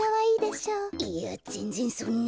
いやぜんぜんそんな。